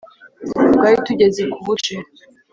twari tugeze ku buce